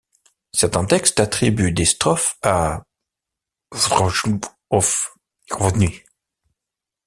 Certains textes attribuent des strophes à Þjóðólfr ór Hvini.